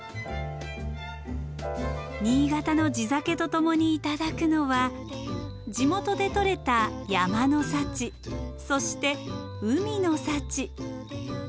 新潟の地酒と共に頂くのは地元で採れた山の幸そして海の幸。